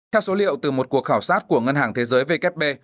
theo số liệu từ một cuộc khảo sát của ngân hàng thế giới vkp